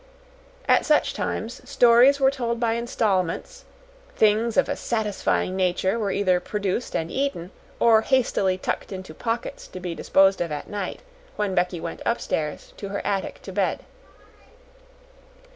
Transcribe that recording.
At such times stories were told by installments, things of a satisfying nature were either produced and eaten or hastily tucked into pockets to be disposed of at night, when Becky went upstairs to her attic to bed.